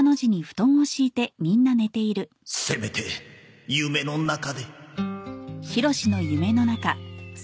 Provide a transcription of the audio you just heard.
せめて夢の中で